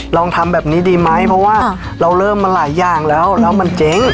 ลองทำแบบนี้ดีไหมเพราะว่าเราเริ่มมาหลายอย่างแล้วแล้วมันเจ๊ง